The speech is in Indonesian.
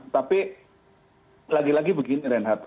tapi lagi lagi begini reinhardt